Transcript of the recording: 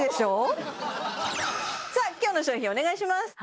さあ今日の商品お願いします